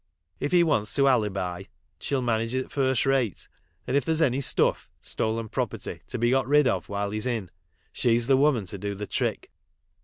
If he wants to alibi she'll manage it first rate, and if there's any stuff (stolen property) to be got rid of while he's m, she s the woman to do the trick.